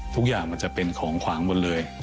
ทุกอย่างมันจะเป็นของขวางหมดเลย